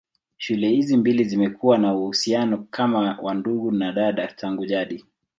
Shule hizi mbili zimekuwa na uhusiano kama wa ndugu na dada tangu jadi.